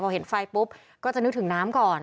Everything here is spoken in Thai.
พอเห็นไฟปุ๊บก็จะนึกถึงน้ำก่อน